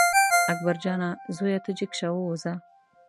اکبر جانه زویه ته جګ شه ووځه.